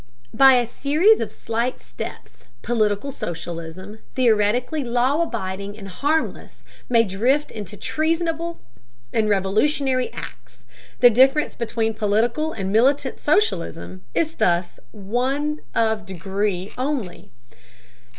By a series of slight steps, political socialism, theoretically law abiding and harmless, may drift into treasonable and revolutionary acts. The difference between political and militant socialism is thus one of degree only.